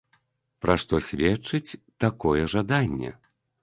Пра што сведчыць такое жаданне?